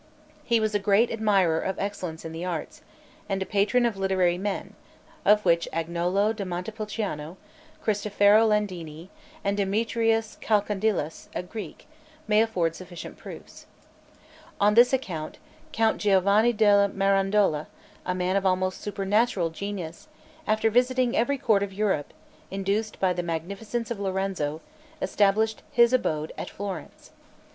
He was a great admirer of excellence in the arts, and a patron of literary men, of which Agnolo da Montepulciano, Cristofero Landini, and Demetrius Chalcondylas, a Greek, may afford sufficient proofs. On this account, Count Giovanni della Mirandola, a man of almost supernatural genius, after visiting every court of Europe, induced by the munificence of Lorenzo, established his abode at Florence.